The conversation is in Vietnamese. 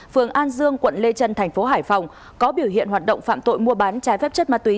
phường an dương quận lê trân thành phố hải phòng có biểu hiện hoạt động phạm tội mua bán trái phép chất ma túy